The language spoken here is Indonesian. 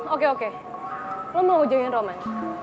oke oke lo mau join roman